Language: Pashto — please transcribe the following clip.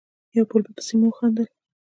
یو پر بل پسې مو خندل.